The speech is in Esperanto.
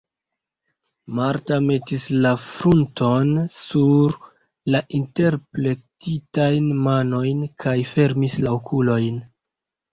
Marta metis la frunton sur la interplektitajn manojn kaj fermis la okulojn.